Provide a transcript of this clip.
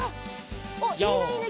おっいいねいいね